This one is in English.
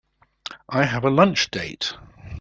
I have a lunch date.